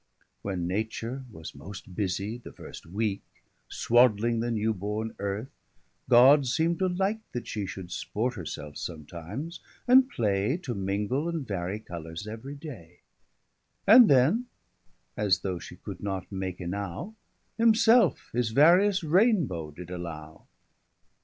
When nature was most busie, the first weeke, Swadling the new borne earth, God seem'd to like That she should sport her selfe sometimes, and play, To mingle, and vary colours every day: 350 And then, as though shee could not make inow, Himselfe his various Rainbow did allow.